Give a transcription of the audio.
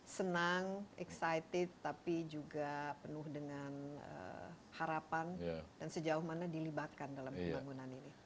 senang excited tapi juga penuh dengan harapan dan sejauh mana dilibatkan dalam pembangunan ini